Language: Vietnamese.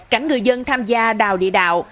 cảnh người dân tham gia đào địa đạo